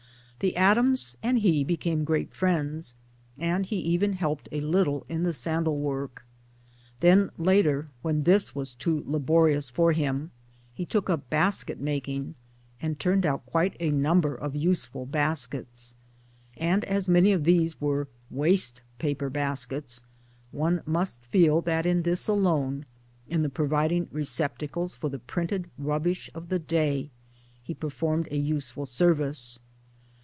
The Adams' and he became great friends, and he even helped a little in the sandal work. Then later, when this was too laborious for him, he took up basket making, and turned out quite a number of useful baskets ; and as many of these were " waste paper baskets," one must feel that in this alone in the providing receptacles for the printed rubbish of the day he performed a useful service